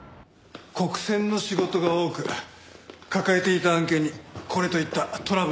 国選の仕事が多く抱えていた案件にこれといったトラブルはなかった。